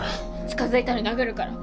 近づいたら殴るから。